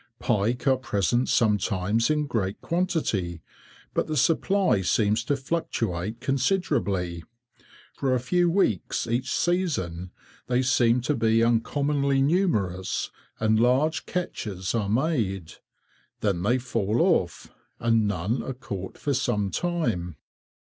Pike are present sometimes in great quantity, but the supply seems to fluctuate considerably. For a few weeks each season they seem to be uncommonly numerous, and large catches are made. Then they fall off, and none are caught for some time.